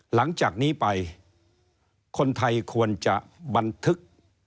หลังจากนี้ไปคนไทยควรจะบันทึก